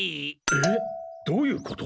えっどういうこと？